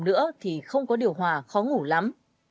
nữa thì không có điều hòa khó ngủ lắm